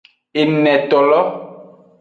Enetolo.